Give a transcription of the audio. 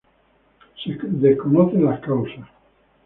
Se desconocen las causas.